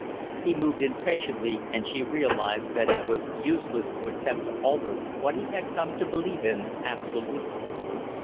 He moved impatiently, and she realized that it was useless to attempt to alter what he had come to believe in absolutely.